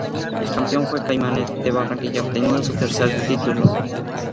El campeón fue Caimanes de Barranquilla obteniendo su tercer titulo.